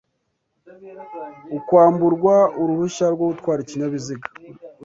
Ukwamburwa uruhushya rwo gutwara ikinyabiziga